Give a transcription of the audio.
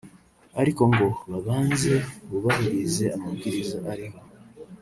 ariko ngo babanze bubahirize amabwiriza ariho